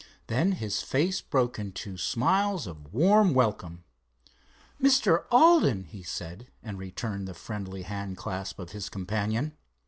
Then his face broke into smiles of warm welcome. "Mr. Alden," he said, and returned the friendly hand clasp of his companion.